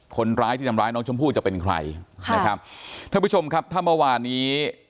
คนร้ายที่ทำร้ายน้องชมพู่จะเป็นใครนะครับท่านผู้ชมครับถ้าเมื่อวานนี้